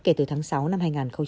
kể từ tháng sáu năm hai nghìn hai mươi